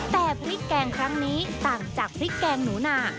แต่พริกแกงครั้งนี้ต่างจากพริกแกงหนูนา